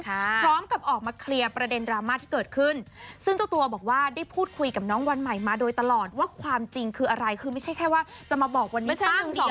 พร้อมกับออกมาเคลียร์ประเด็นดราม่าที่เกิดขึ้นซึ่งเจ้าตัวบอกว่าได้พูดคุยกับน้องวันใหม่มาโดยตลอดว่าความจริงคืออะไรคือไม่ใช่แค่ว่าจะมาบอกวันนี้ซะจริง